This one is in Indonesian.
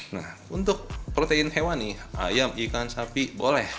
nah untuk protein hewani ayam ikan sapi boleh